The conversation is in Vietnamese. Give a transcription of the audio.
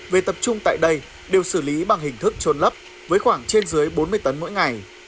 về tập trung tại đây đều xử lý bằng hình thức trôn lấp với khoảng trên dưới bốn mươi tấn mỗi ngày